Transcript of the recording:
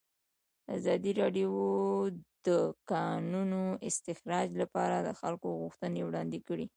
ازادي راډیو د د کانونو استخراج لپاره د خلکو غوښتنې وړاندې کړي.